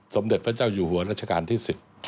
สมเด็จพระเจ้าอยู่หัวรัชกาลที่๑๐